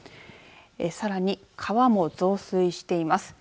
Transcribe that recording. さらに川も増水しています。